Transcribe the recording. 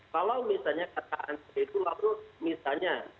kalau misalnya kata ante itu lalu misalnya